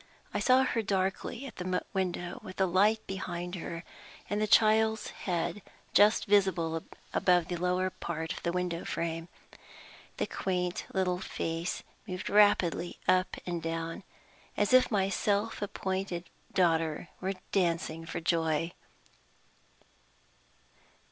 I saw her darkly at the window, with the light behind her, and the child's head just visible above the lower part of the window frame. The quaint little face moved rapidly up and down, as if my self appointed daughter were dancing for joy!